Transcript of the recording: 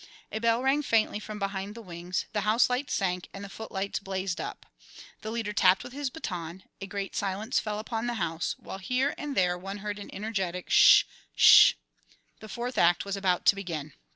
A bell rang faintly from behind the wings, the house lights sank, and the footlights blazed up. The leader tapped with his baton; a great silence fell upon the house, while here and there one heard an energetic "Ssh! ssh!" The fourth act was about to begin.